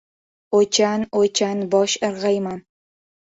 O‘ychan-o‘ychan bosh irg‘ayman.